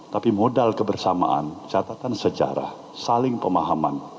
tapi modal kebersamaan catatan sejarah saling pemahaman